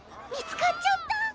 みつかっちゃった！